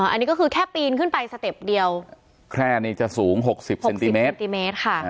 อันนี้ก็คือแค่ปีนขึ้นไปสเต็ปเดียวแค่นี้จะสูง๖๐เซนติเมตรเซนติเมตรค่ะ